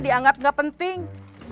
dianggap gak penting